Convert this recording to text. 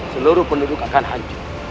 seluruh penduduk akan hancur